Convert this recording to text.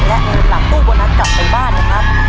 และเงินหลังตู้โบนัสกลับไปบ้านนะครับ